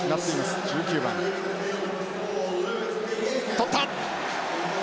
とった！